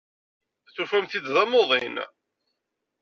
Tufamt-t-id d amuḍin.